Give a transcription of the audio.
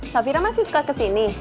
safira masih suka ke sini